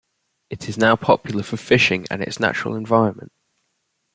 It is now popular for fishing and its natural environment.